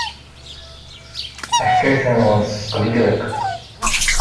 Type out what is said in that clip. Taḥkayt-nwen tesqelliq.